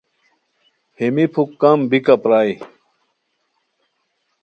ہیمی پُھک کم بیکہ پرائے